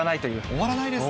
終わらないですか？